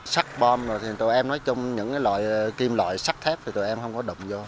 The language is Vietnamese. sắc bom rồi thì tụi em nói chung những loại kim loại sắc thép thì tụi em không có động vô